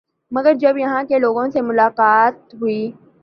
مگر جب یہاں کے لوگوں سے ملاقات ہوئی